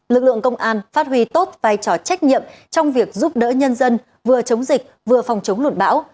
lực lượng công an phát huy tốt vai trò trách nhiệm trong việc giúp đỡ nhân dân vừa chống dịch vừa phòng chống lụt bão